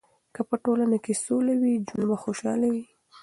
که په ټولنه کې سوله وي، ژوند به خوشحاله وي.